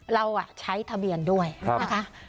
เราใช้ทะเบียนด้วยนะคะ